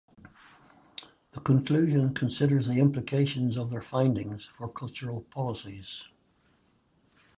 The conclusion considers the implications of their findings for cultural policies.